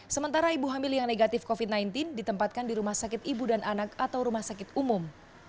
sementara ibu hamil yang negatif covid sembilan belas ditempatkan di rumah sakit ibu dan anak atau rumah sakit umum